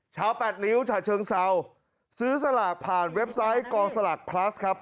แปดริ้วฉะเชิงเซาซื้อสลากผ่านเว็บไซต์กองสลากพลัสครับ